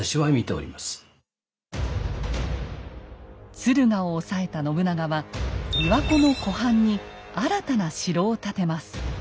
敦賀を押さえた信長は琵琶湖の湖畔に新たな城を建てます。